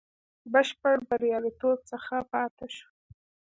بشپړ بریالیتوب څخه پاته شو.